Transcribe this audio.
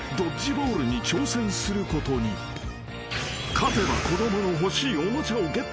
［勝てば子供の欲しいおもちゃをゲット］